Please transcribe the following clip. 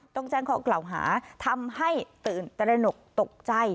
ต้องแจ้งข้อกล่าวหาทำให้ตื่นตระหนกตกใจ